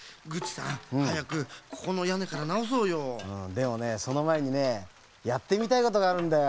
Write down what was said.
でもねそのまえにねやってみたいことがあるんだよ。